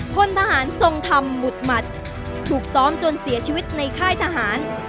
พลทหารทรงธรรมหมุดหมัดถูกซ้อมจนเสียชีวิตในค่ายทหาร